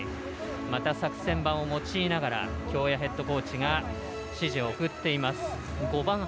作戦盤を用いながら京谷ヘッドコーチが指示を送っています。